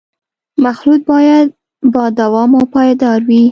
مخلوط باید با دوام او پایدار وي